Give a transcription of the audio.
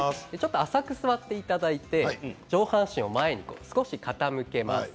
浅く座っていただいて上半身を前に少し傾けます。